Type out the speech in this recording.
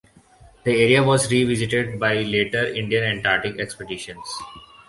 The area was revisited by later Indian Antarctic expeditions.